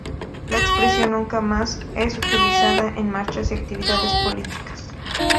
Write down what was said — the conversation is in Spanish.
La expresión Nunca más es utilizada en marchas y actividades políticas.